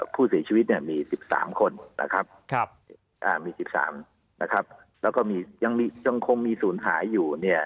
ผู้เสียชีวิตมี๑๓คนและยังคงมีศูนย์หายอยู่